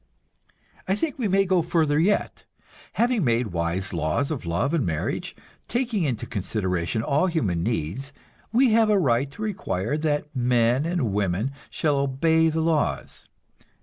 I think we may go further yet; having made wise laws of love and marriage, taking into consideration all human needs, we have a right to require that men and women shall obey the laws.